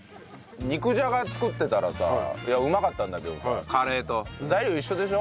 肉じゃが作ってたらさいやうまかったんだけどさカレーと材料一緒でしょ？